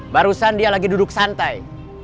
barusan dia lagi duduk santai